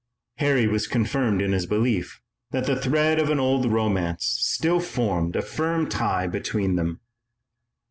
Harry was confirmed in his belief that the thread of an old romance still formed a firm tie between them.